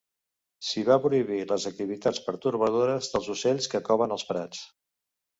S'hi va prohibir les activitats pertorbadores dels ocells que coven als prats.